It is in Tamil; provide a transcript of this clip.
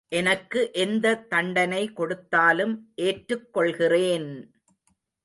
எனக்கு எந்த தண்டனை கொடுத்தாலும் ஏற்றுக் கொள்கிறேன்!